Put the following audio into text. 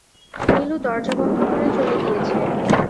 নীলু দরজা বন্ধ করে চলে গিয়েছে।